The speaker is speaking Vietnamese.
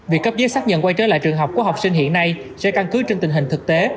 việc cấp giấy xác nhận quay trở lại trường học của học sinh hiện nay sẽ căn cứ trên tình hình thực tế